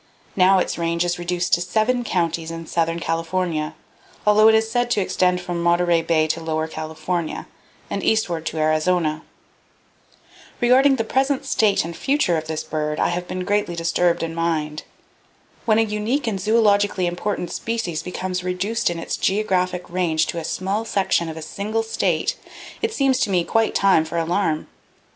Now its range is reduced to seven counties in southern California, although it is said to extend from Monterey Bay to Lower California, and eastward to Arizona. Regarding the present status and the future of this bird, I have been greatly disturbed in mind. When a unique and zoologically important species becomes reduced in its geographic range to a small section of a single state, it seems to me quite time for alarm.